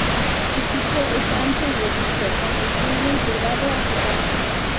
Su pico es ancho y robusto, con el culmen curvado hacia abajo.